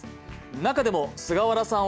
中でも菅原さん